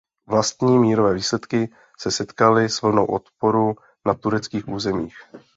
Vlastní mírové výsledky se setkaly s vlnou odporu na tureckých územích.